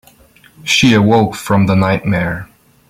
She awoke from the nightmare.